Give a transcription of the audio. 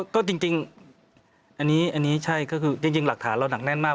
ก็จริงอันนี้ใช่ก็คือจริงหลักฐานเราหนักแน่นมาก